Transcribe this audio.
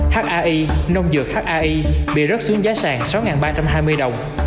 hai nông dược hai bị rớt xuống giá sàng sáu ba trăm hai mươi đồng